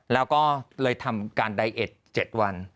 แล้วก็เลยทำการไดเอ็ด๗วัน